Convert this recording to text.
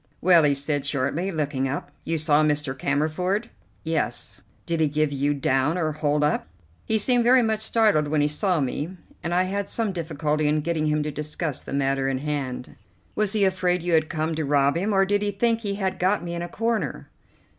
"Well," he said shortly, looking up; "you saw Mr. Cammerford?" "Yes." "Did he give down or hold up?" "He seemed very much startled when he saw me, and I had some difficulty in getting him to discuss the matter in hand." "Was he afraid you had come to rob him, or did he think he had got me in a corner?"